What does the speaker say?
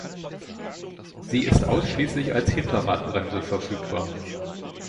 Sie ist ausschließlich als Hinterradbremse verfügbar.